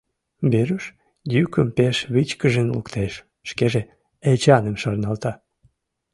Веруш йӱкым пеш вичкыжын луктеш, шкеже Эчаным шарналта.